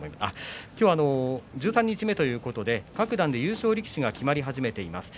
今日は十三日目ということで各段の優勝力士が決まり始めています。